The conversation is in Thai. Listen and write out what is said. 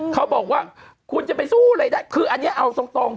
เขาบอกว่าคุณจะไปสู้อะไรได้คืออันนี้เอาตรง